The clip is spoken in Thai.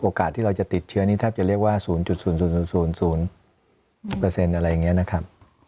ที่เราจะติดเชื้อนี้แทบจะเรียกว่า๐๐อะไรอย่างนี้นะครับ